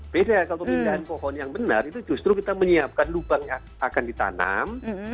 beda kalau pemindahan pohon yang benar itu justru kita menyiapkan lubang yang akan ditanam